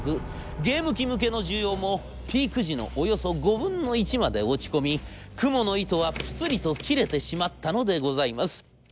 ゲーム機向けの需要もピーク時のおよそ５分の１まで落ち込みクモの糸はプツリと切れてしまったのでございます。